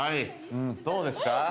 どうですか？